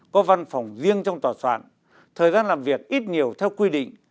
có văn phòng riêng trong tòa soạn thời gian làm việc ít nhiều theo quy định